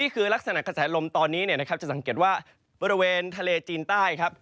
กระแสลมตอนนี้จะสังเกตว่าบริเวณทะเลจีนใต้